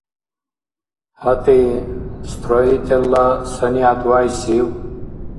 ГьатӀи, строителла санигӀят вяйсив?